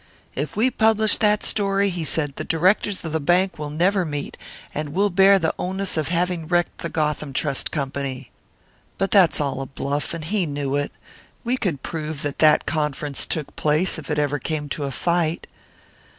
'If we publish that story,' he said, 'the directors of the bank will never meet, and we'll bear the onus of having wrecked the Gotham Trust Company.' But that's all a bluff, and he knew it; we could prove that that conference took place, if it ever came to a fight."